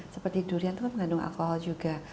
seperti durian itu kan mengandung alkohol juga